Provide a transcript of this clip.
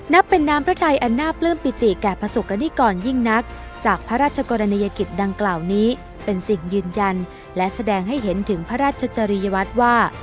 นับเป็นน้ำพระไทยอันน่าปลื้มปิติแก่ประสบกรณิกรยิ่งนักจากพระราชกรณียกิจดังกล่าวนี้เป็นสิ่งยืนยันและแสดงให้เห็นถึงพระราชจริยวัตรว่า